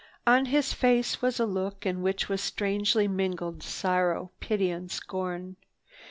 On his face was a look in which was strangely mingled sorrow, pity and scorn.